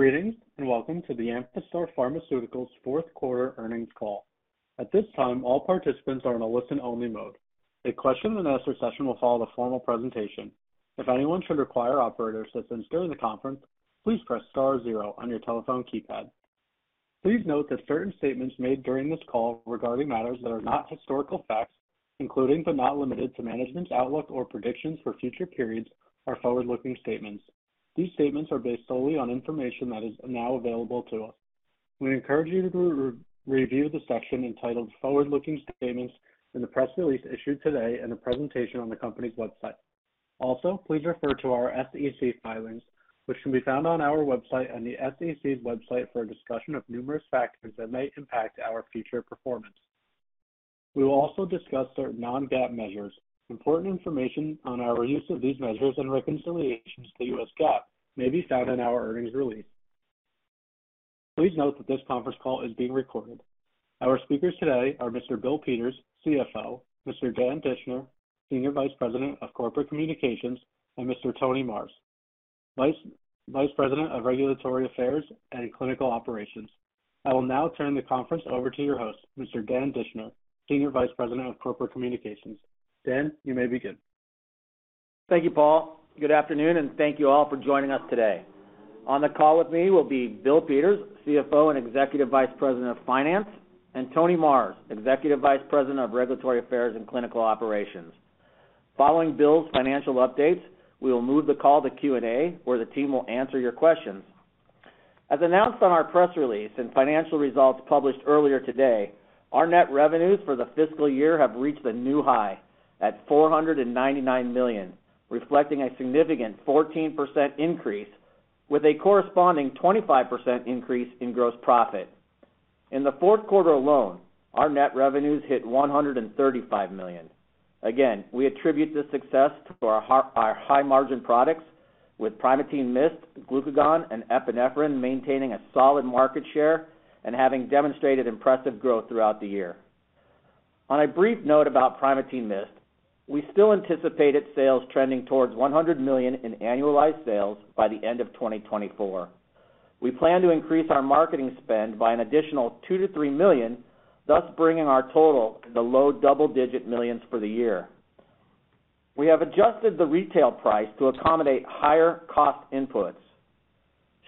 Greetings, and welcome to the Amphastar Pharmaceuticals fourth quarter earnings call. At this time, all participants are on a listen-only mode. A question and answer session will follow the formal presentation. If anyone should require operator assistance during the conference, please press star zero on your telephone keypad. Please note that certain statements made during this call regarding matters that are not historical facts, including but not limited to management's outlook or predictions for future periods, are forward-looking statements. These statements are based solely on information that is now available to us. We encourage you to re-review the section entitled Forward-Looking Statements in the press release issued today and the presentation on the company's website. Please refer to our SEC filings, which can be found on our website and the SEC's website for a discussion of numerous factors that might impact our future performance. We will also discuss certain non-GAAP measures. Important information on our use of these measures and reconciliations to U.S. GAAP may be found in our earnings release. Please note that this conference call is being recorded. Our speakers today are Mr. Bill Peters, CFO, Mr. Dan Dischner, Senior Vice President of Corporate Communications, and Mr. Tony Marrs, Vice President of Regulatory Affairs and Clinical Operations. I will now turn the conference over to your host, Mr. Dan Dischner, Senior Vice President of Corporate Communications. Dan, you may begin. Thank you, Paul. Good afternoon, thank you all for joining us today. On the call with me will be Bill Peters, CFO and Executive Vice President of Finance, and Tony Marrs, Executive Vice President of Regulatory Affairs and Clinical Operations. Following Bill's financial updates, we will move the call to Q&A, where the team will answer your questions. As announced on our press release and financial results published earlier today, our net revenues for the fiscal year have reached a new high at $499 million, reflecting a significant 14% increase with a corresponding 25% increase in gross profit. In the fourth quarter alone, our net revenues hit $135 million. We attribute this success to our high-margin products with Primatene MIST, Glucagon, and epinephrine maintaining a solid market share and having demonstrated impressive growth throughout the year. On a brief note about Primatene MIST, we still anticipate its sales trending towards $100 million in annualized sales by the end of 2024. We plan to increase our marketing spend by an additional $2 million-$3 million, thus bringing our total to the low double-digit millions for the year. We have adjusted the retail price to accommodate higher cost inputs.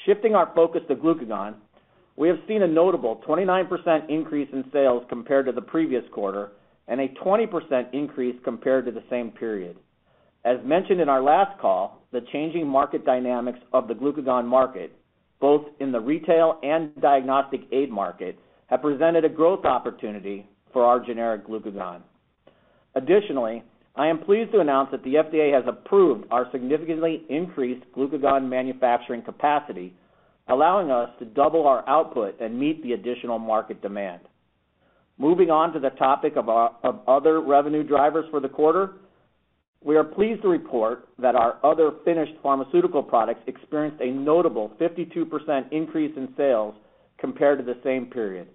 Shifting our focus to Glucagon, we have seen a notable 29% increase in sales compared to the previous quarter and a 20% increase compared to the same period. As mentioned in our last call, the changing market dynamics of the Glucagon market, both in the retail and diagnostic aid market, have presented a growth opportunity for our generic Glucagon. Additionally, I am pleased to announce that the FDA has approved our significantly increased Glucagon manufacturing capacity, allowing us to double our output and meet the additional market demand. Moving on to the topic of other revenue drivers for the quarter, we are pleased to report that our other finished pharmaceutical products experienced a notable 52% increase in sales compared to the same period.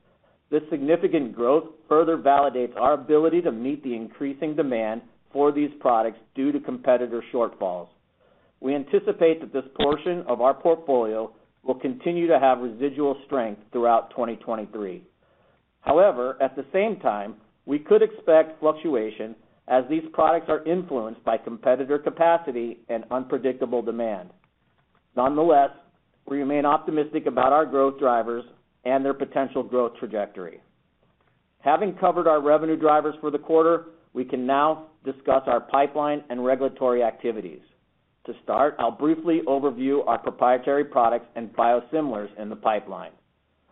This significant growth further validates our ability to meet the increasing demand for these products due to competitor shortfalls. We anticipate that this portion of our portfolio will continue to have residual strength throughout 2023. At the same time, we could expect fluctuation as these products are influenced by competitor capacity and unpredictable demand. We remain optimistic about our growth drivers and their potential growth trajectory. Having covered our revenue drivers for the quarter, we can now discuss our pipeline and regulatory activities. To start, I'll briefly overview our proprietary products and biosimilars in the pipeline.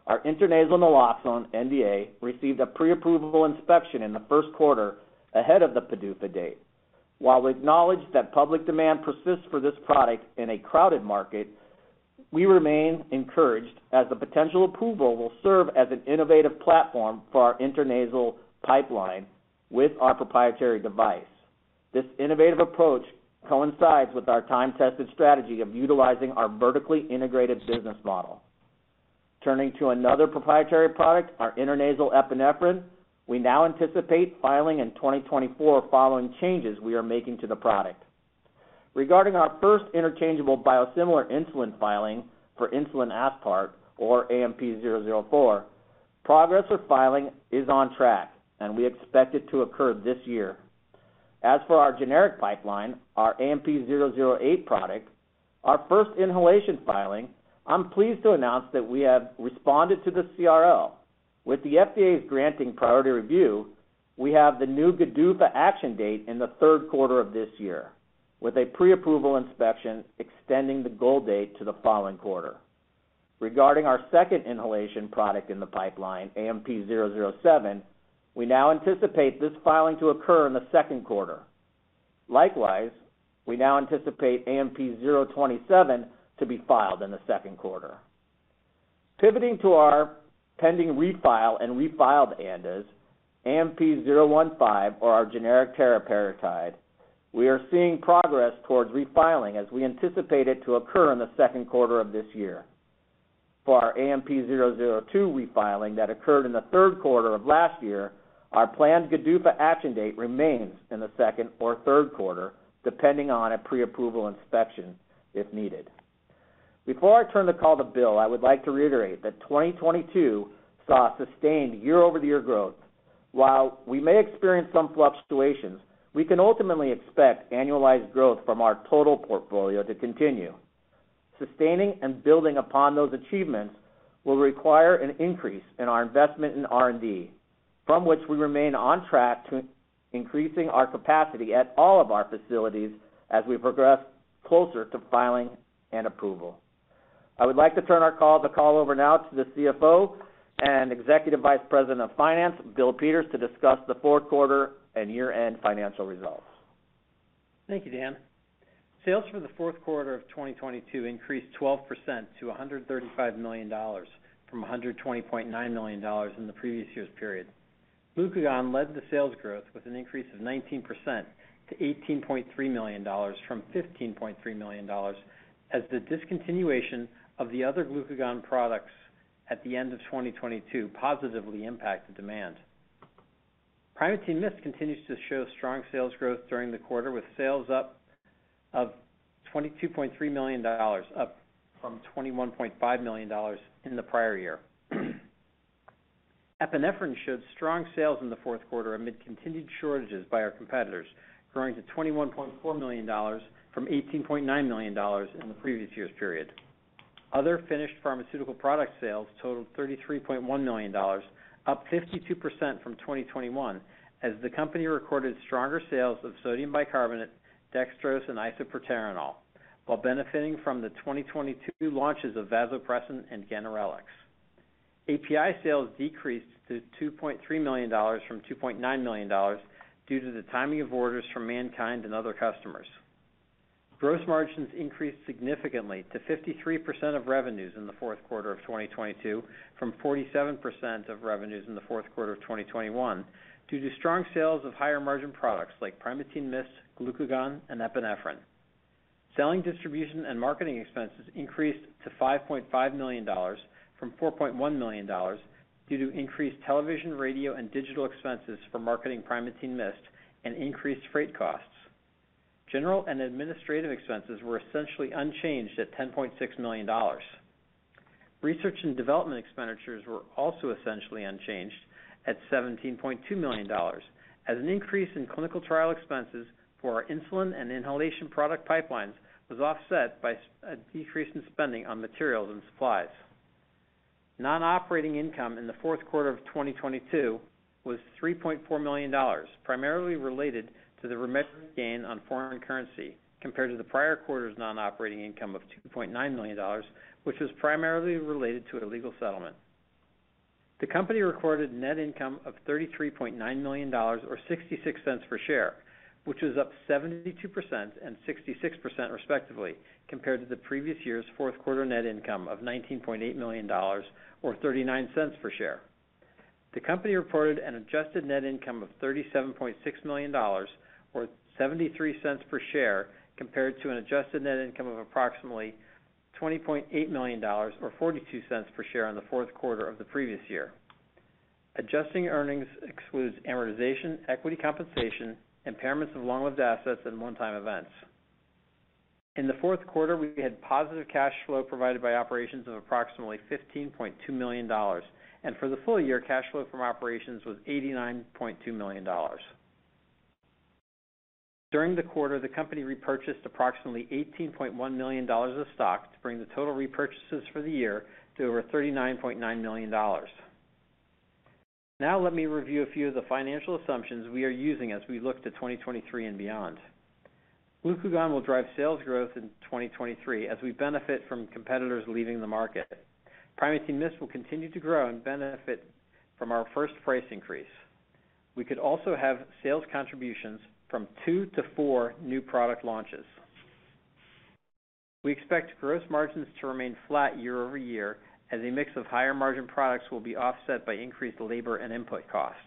Our intranasal naloxone NDA received a pre-approval inspection in the first quarter ahead of the PDUFA date. While we acknowledge that public demand persists for this product in a crowded market, we remain encouraged as the potential approval will serve as an innovative platform for our intranasal pipeline with our proprietary device. This innovative approach coincides with our time-tested strategy of utilizing our vertically integrated business model. Turning to another proprietary product, our intranasal epinephrine, we now anticipate filing in 2024 following changes we are making to the product. Regarding our first interchangeable biosimilar insulin filing for insulin aspart or AMP-004, progress with filing is on track, and we expect it to occur this year. As for our generic pipeline, our AMP-008 product, our first inhalation filing, I'm pleased to announce that we have responded to the CRL. With the FDA's granting priority review, we have the new GDUFA action date in the third quarter of this year, with a pre-approval inspection extending the goal date to the following quarter. Regarding our second inhalation product in the pipeline, AMP-007, we now anticipate this filing to occur in the second quarter. Likewise, we now anticipate AMP-027 to be filed in the second quarter. Pivoting to our pending refile and refiled ANDAs, AMP-015 or our generic teriparatide, we are seeing progress towards refiling as we anticipate it to occur in the second quarter of this year. For our AMP-002 refiling that occurred in the third quarter of last year. Our planned GDUFA action date remains in the second or third quarter, depending on a pre-approval inspection if needed. Before I turn the call to Bill, I would like to reiterate that 2022 saw sustained year-over-year growth. While we may experience some fluctuations, we can ultimately expect annualized growth from our total portfolio to continue. Sustaining and building upon those achievements will require an increase in our investment in R&D, from which we remain on track to increasing our capacity at all of our facilities as we progress closer to filing and approval. I would like to turn the call over now to the CFO and Executive Vice President of Finance, Bill Peters, to discuss the fourth quarter and year-end financial results. Thank you, Dan. Sales for the fourth quarter of 2022 increased 12% to $135 million from $120.9 million in the previous year's period. Glucagon led the sales growth with an increase of 19% to $18.3 million from $15.3 million as the discontinuation of the other Glucagon products at the end of 2022 positively impacted demand. Primatene MIST continues to show strong sales growth during the quarter, with sales up of $22.3 million, up from $21.5 million in the prior year. Epinephrine showed strong sales in the fourth quarter amid continued shortages by our competitors, growing to $21.4 million from $18.9 million in the previous year's period. Other finished pharmaceutical product sales totaled $33.1 million, up 52% from 2021, as the company recorded stronger sales of sodium bicarbonate, dextrose, and isoproterenol while benefiting from the 2022 launches of vasopressin and ganirelix. API sales decreased to $2.3 million from $2.9 million due to the timing of orders from MannKind and other customers. Gross margins increased significantly to 53% of revenues in the fourth quarter of 2022 from 47% of revenues in the fourth quarter of 2021 due to strong sales of higher-margin products like Primatene MIST, Glucagon, and Epinephrine. Selling, distribution, and marketing expenses increased to $5.5 million from $4.1 million due to increased television, radio, and digital expenses for marketing Primatene MIST and increased freight costs. General and administrative expenses were essentially unchanged at $10.6 million. Research and development expenditures were also essentially unchanged at $17.2 million, as an increase in clinical trial expenses for our insulin and inhalation product pipelines was offset by a decrease in spending on materials and supplies. Non-operating income in the fourth quarter of 2022 was $3.4 million, primarily related to the remeasure gain on foreign currency compared to the prior quarter's non-operating income of $2.9 million, which was primarily related to a legal settlement. The company recorded net income of $33.9 million or $0.66 per share, which was up 72% and 66% respectively compared to the previous year's fourth quarter net income of $19.8 million or $0.39 per share. The company reported an adjusted net income of $37.6 million or $0.73 per share compared to an adjusted net income of approximately $20.8 million or $0.42 per share in the fourth quarter of the previous year. Adjusting earnings excludes amortization, equity compensation, impairments of long-lived assets, and one-time events. In the fourth quarter, we had positive cash flow provided by operations of approximately $15.2 million, and for the full year, cash flow from operations was $89.2 million. During the quarter, the company repurchased approximately $18.1 million of stock to bring the total repurchases for the year to over $39.9 million. Now let me review a few of the financial assumptions we are using as we look to 2023 and beyond. Glucagon will drive sales growth in 2023 as we benefit from competitors leaving the market. Primatene MIST will continue to grow and benefit from our first price increase. We could also have sales contributions from 2 to 4 new product launches. We expect gross margins to remain flat year-over-year as a mix of higher margin products will be offset by increased labor and input costs.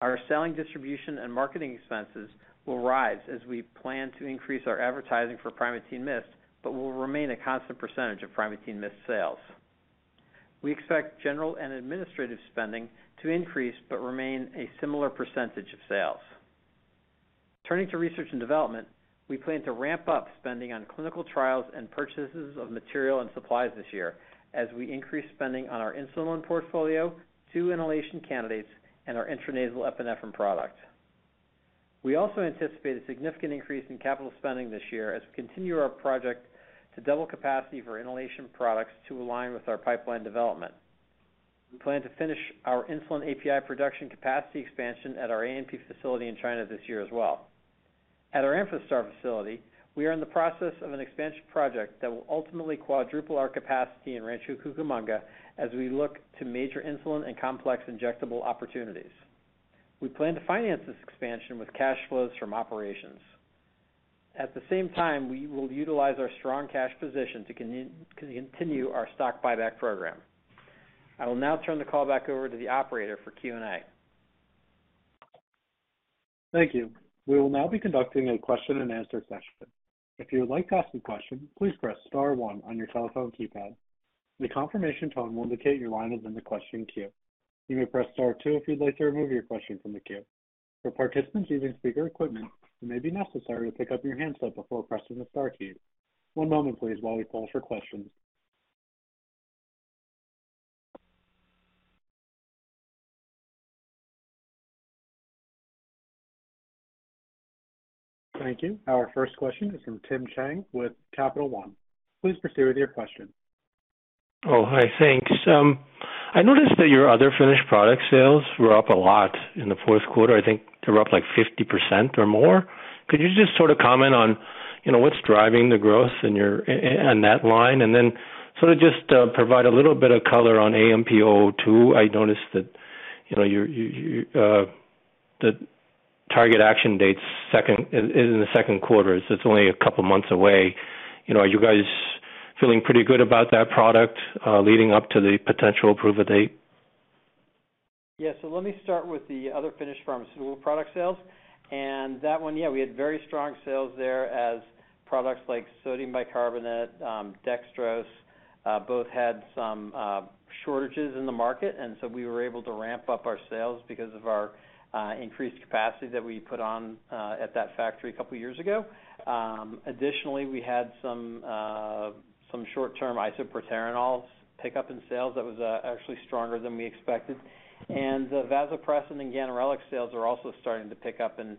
Our selling, distribution, and marketing expenses will rise as we plan to increase our advertising for Primatene MIST but will remain a constant % of Primatene MIST sales. We expect general and administrative spending to increase but remain a similar % of sales. Turning to research and development, we plan to ramp up spending on clinical trials and purchases of material and supplies this year as we increase spending on our insulin portfolio, 2 inhalation candidates, and our intranasal epinephrine product. We also anticipate a significant increase in capital spending this year as we continue our project to double capacity for inhalation products to align with our pipeline development. We plan to finish our insulin API production capacity expansion at our ANP facility in China this year as well. At our Amphastar facility, we are in the process of an expansion project that will ultimately quadruple our capacity in Rancho Cucamonga as we look to major insulin and complex injectable opportunities. We plan to finance this expansion with cash flows from operations. At the same time, we will utilize our strong cash position to continue our stock buyback program. I will now turn the call back over to the operator for Q&A. Thank you. We will now be conducting a question and answer session. If you would like to ask a question, please press star one on your telephone keypad. The confirmation tone will indicate your line is in the question queue. You may press star two if you'd like to remove your question from the queue. For participants using speaker equipment, it may be necessary to pick up your handset before pressing the star key. One moment please while we call for questions. Thank you. Our first question is from Tim Chiang with Capital One. Please proceed with your question. Oh, hi. Thanks. I noticed that your other finished product sales were up a lot in the fourth quarter. I think they were up, like, 50% or more. Could you just sort of comment on, you know, what's driving the growth in that line, and then sort of just provide a little bit of color on AMP-002. I noticed that, you know, your the target action date is in the second quarter, so it's only a couple months away. You know, are you guys feeling pretty good about that product leading up to the potential approval date? Let me start with the other finished pharmaceutical product sales. That one, we had very strong sales there as products like Sodium Bicarbonate, Dextrose, both had some shortages in the market, we were able to ramp up our sales because of our increased capacity that we put on at that factory two years ago. Additionally, we had some short-term Isoproterenol pick up in sales that was actually stronger than we expected. The Vasopressin and Ganirelix sales are also starting to pick up and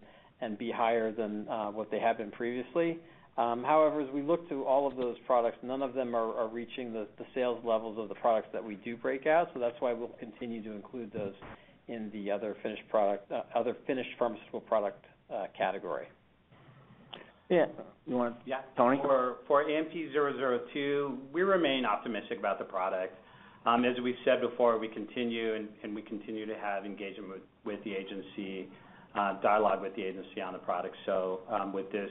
be higher than what they had been previously. However, as we look to all of those products, none of them are reaching the sales levels of the products that we do break out, that's why we'll continue to include those in the other finished product, other finished pharmaceutical product, category. Tony? For AMP-002, we remain optimistic about the product. As we've said before, we continue to have engagement with the agency, dialogue with the agency on the product. With this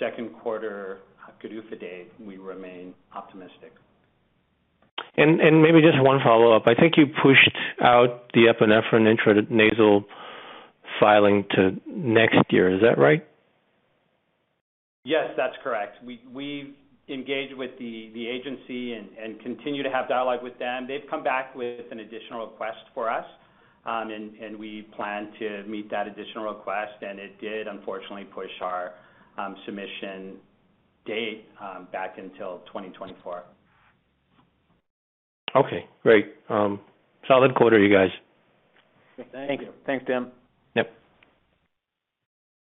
second quarter GDUFA date, we remain optimistic. Maybe just one follow-up. I think you pushed out the epinephrine intranasal filing to next year. Is that right? Yes, that's correct. We've engaged with the agency and continue to have dialogue with them. They've come back with an additional request for us, and we plan to meet that additional request, and it did, unfortunately, push our submission date back until 2024. Okay, great. Solid quarter, you guys. Thank you. Thanks, Tim. Yep.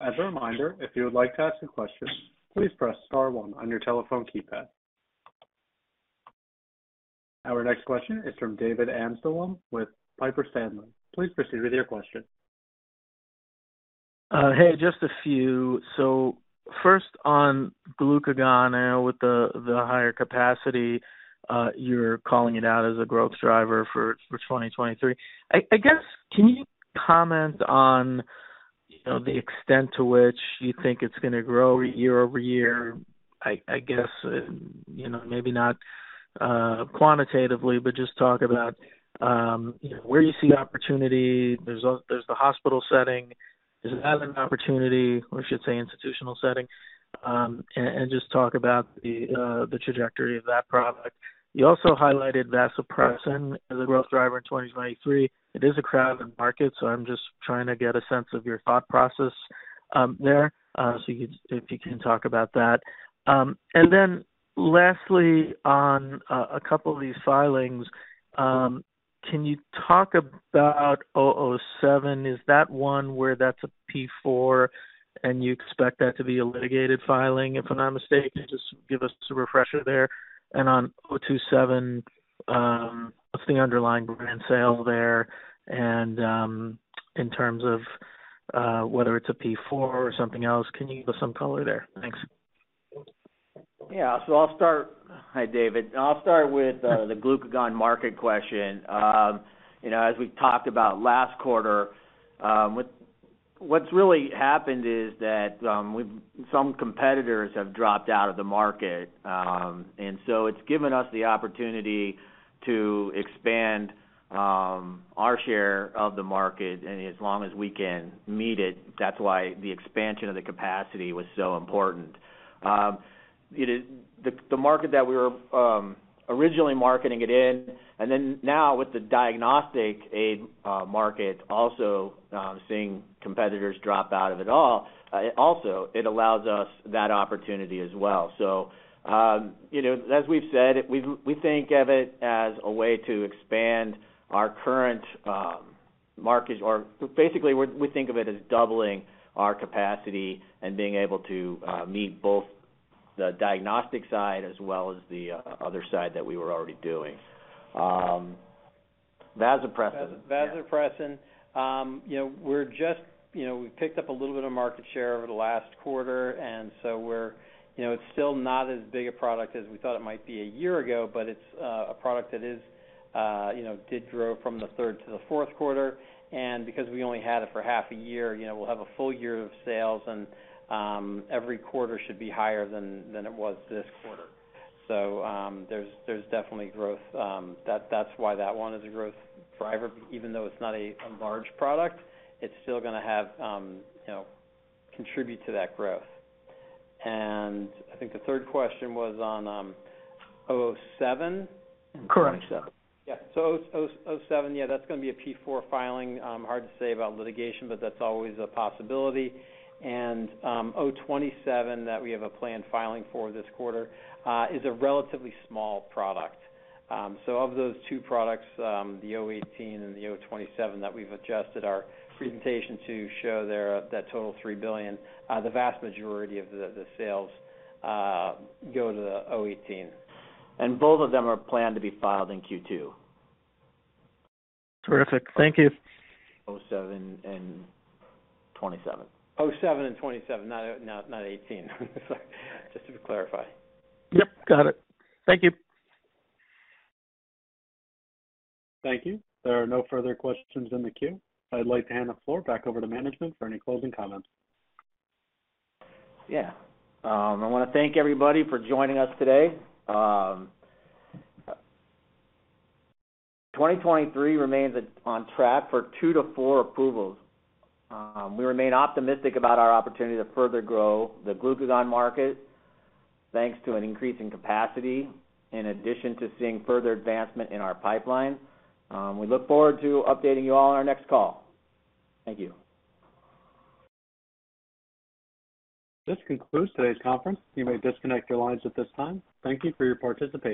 As a reminder, if you would like to ask a question, please press star one on your telephone keypad. Our next question is from David Amsellem with Piper Sandler. Please proceed with your question. Hey, just a few. First on glucagon, I know with the higher capacity, you're calling it out as a growth driver for 2023. I guess, can you comment on, you know, the extent to which you think it's gonna grow year over year? I guess, you know, maybe not quantitatively, but just talk about, you know, where you see opportunity. There's the hospital setting. Is that an opportunity, or I should say institutional setting? Just talk about the trajectory of that product. You also highlighted vasopressin as a growth driver in 2023. It is a crowded market, I'm just trying to get a sense of your thought process there, if you can talk about that. Then lastly, on a couple of these filings, can you talk about AMP-007? Is that one where that's a P4 and you expect that to be a litigated filing, if I'm not mistaken? Just give us a refresher there. On AMP-027, what's the underlying brand sale there and in terms of whether it's a P4 or something else. Can you give us some color there? Thanks. Yeah. I'll start. Hi, David. I'll start with the Glucagon market question. You know, as we've talked about last quarter, what's really happened is that some competitors have dropped out of the market. It's given us the opportunity to expand our share of the market, and as long as we can meet it, that's why the expansion of the capacity was so important. The market that we were originally marketing it in, and then now with the diagnostic aid market also, seeing competitors drop out of it all also, it allows us that opportunity as well. You know, as we've said, we think of it as a way to expand our current markets. Basically, we think of it as doubling our capacity and being able to meet both the diagnostic side as well as the other side that we were already doing. Vasopressin. Vasopressin. You know, we've picked up a little bit of market share over the last quarter. You know, it's still not as big a product as we thought it might be a year ago, but it's a product that is, you know, did grow from the third to the fourth quarter. Because we only had it for half a year, you know, we'll have a full year of sales, every quarter should be higher than it was this quarter. There's definitely growth. That's why that one is a growth driver. Even though it's not a large product, it's still gonna have, you know, contribute to that growth. I think the third question was on, AMP-007? AMP-007, that's gonna be a P4 filing. Hard to say about litigation, but that's always a possibility. AMP-027 that we have a planned filing for this quarter, is a relatively small product. Of those two products, the AMP-018 and the AMP-027 that we've adjusted our presentation to show their, that total $3 billion, the vast majority of the sales, go to the AMP-018. Both of them are planned to be filed in Q2. Terrific. Thank you. AMP-007 and AMP-027. AMP-007 and AMP-027, not AMP-018. Sorry. Just to clarify. Yep, got it. Thank you. Thank you. There are no further questions in the queue. I'd like to hand the floor back over to management for any closing comments. Yeah. I wanna thank everybody for joining us today. 2023 remains on track for two to four approvals. We remain optimistic about our opportunity to further grow the glucagon market, thanks to an increase in capacity, in addition to seeing further advancement in our pipeline. We look forward to updating you all on our next call. Thank you. This concludes today's conference. You may disconnect your lines at this time. Thank you for your participation.